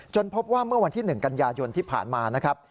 พบว่าเมื่อวันที่๑กันยายนที่ผ่านมานะครับ